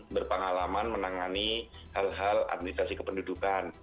berpengalaman menangani hal hal administrasi kependudukan